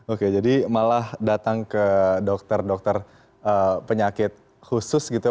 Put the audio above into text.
oke jadi malah datang ke dokter dokter penyakit khusus gitu